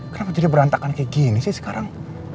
kenapa jadi berantakan kayak gini sih sekarang